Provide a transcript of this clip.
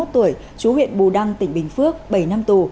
hai mươi một tuổi chú huyện bù đăng tỉnh bình phước bảy năm tù